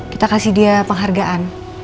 kita kasih dia penghargaan